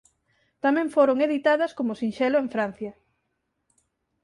Tamén foron editadas como sinxelo en Francia.